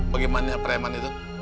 bagaimana preman itu